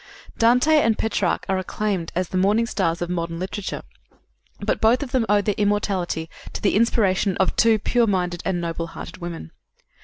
Dante and Petrarch are acclaimed as the morning stars of modern literature, but both of them owed their immortality to the inspiration of two pure minded and noble hearted women.